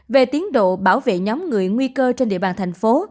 về tiến độ bảo vệ nhóm người nguy cơ trên địa bàn thành phố